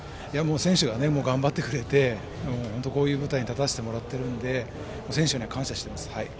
選手が頑張ってくれてこういう舞台に立たせてもらっているので選手には感謝しています。